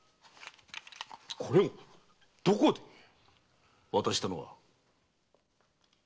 これをどこで⁉渡したのは？